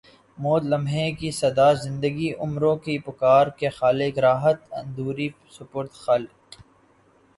موت لمحے کی صدا زندگی عمروں کی پکار کے خالق راحت اندوری سپرد خاک